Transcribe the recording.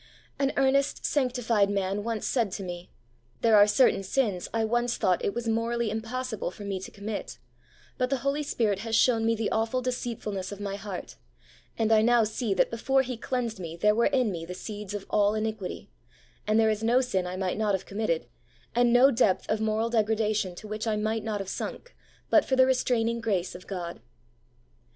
An earnest, sanctified man once said to me, ' There are certain sins I once thought it was morally impossible for me to commit, but the Holy Spirit has shown me the awful deceitfulness of my heart, and I now see that before He cleansed me there were in me the seeds of all iniquity, and there is no sin I might not have committed, and no depth of moral degradation to which I might not have sunk, but for the restraining grace of God.